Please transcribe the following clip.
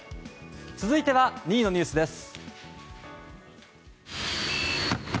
続いては２位のニュースです。